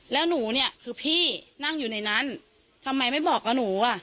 แล้วหนูเนี่ยคือพี่นั่งอยู่ในนั้นทำไมไม่บอกกับหนูอ่ะ